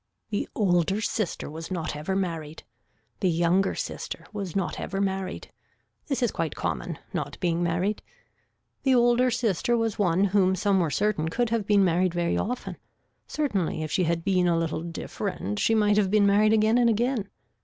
The older sister was not ever married. The younger sister was not ever married. This is quite common, not being married. The older sister was one whom some were certain could have been married very often. Certainly if she had been a little different she might have been married again and again.